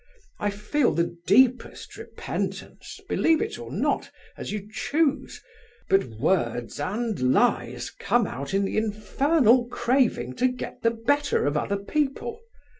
I feel the deepest repentance, believe it or not, as you choose; but words and lies come out in the infernal craving to get the better of other people.